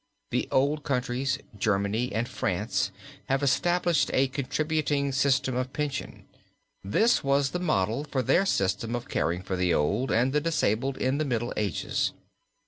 The old countries, Germany and France, have established a contributing system of pension. This was the model of their system of caring for the old and the disabled in the Middle Ages.